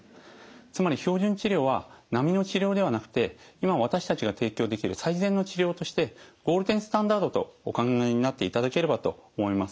つまり標準治療は並みの治療ではなくて今私たちが提供できる最善の治療としてゴールデンスタンダードとお考えになっていただければと思います。